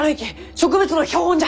植物の標本じゃ！